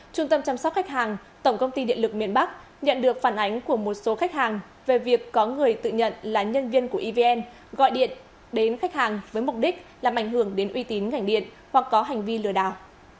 trung tâm chăm sóc khách hàng tổng công ty điện lực miền bắc nhận được phản ánh của một số khách hàng về việc có người tự nhận là nhân viên của evn gọi điện đến khách hàng với mục đích làm ảnh hưởng đến uy tín ngành điện hoặc có hành vi lừa đảo